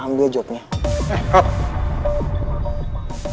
ya yang dieanteek antonio itu ada